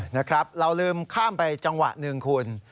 นะครับเราลืมข้ามไปจังหวะหนึ่งคุณ